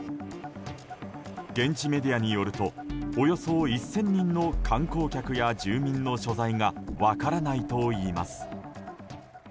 現地メディアによるとおよそ１０００人の観光客や住民の所在が分からないといいます。